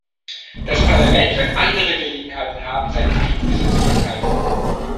Das Parlament wird andere Gelegenheiten haben, seine Befugnisse zu verteidigen.